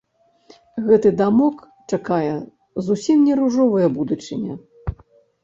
Гэты дамок чакае зусім не ружовая будучыня.